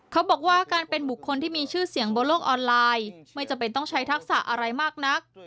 เขาบอกว่าการเป็นบุคคลที่มีชื่อเสียงบนโลกออนไลน์ไม่จำเป็นต้องใช้ทักษะอะไรมากนัก